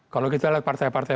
kalau kita lihat partai partai